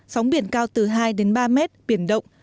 sóng biển cao từ hai ba mét biển động